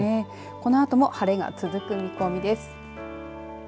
このあとも晴れが続く見込みです。